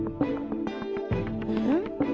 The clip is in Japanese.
うん？